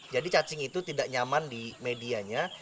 jadi cacing itu tidak nyaman di medianya